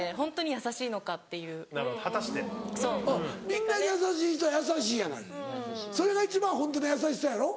みんなに優しい人は優しいやないそれが一番ホントの優しさやろ。